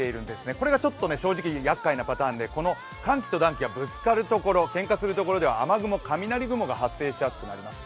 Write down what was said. これがちょっと正直、やっかいなパターンでこの寒気と暖気がぶつかるところけんかするところでは雨雲、雷雲が発生しやすくなります